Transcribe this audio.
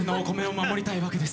守りたいわけですよ。